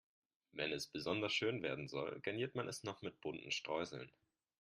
Wenn es besonders schön werden soll, garniert man es noch mit bunten Streuseln.